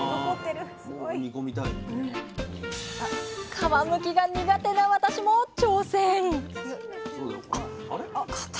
皮むきが苦手な私も挑戦！